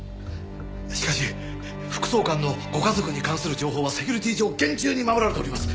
しかし副総監のご家族に関する情報はセキュリティー上厳重に守られております。